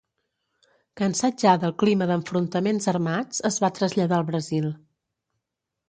Cansat ja del clima d'enfrontaments armats, es va traslladar al Brasil.